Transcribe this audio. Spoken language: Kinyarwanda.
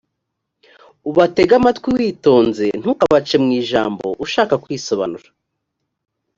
ubatege amatwi witonze ntukabace mu ijambo ushaka kwisobanura